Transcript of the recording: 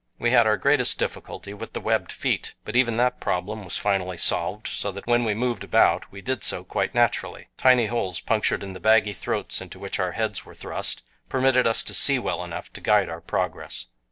We had our greatest difficulty with the webbed feet, but even that problem was finally solved, so that when we moved about we did so quite naturally. Tiny holes punctured in the baggy throats into which our heads were thrust permitted us to see well enough to guide our progress.